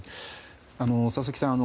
佐々木さん